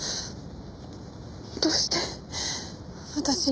どうして私に？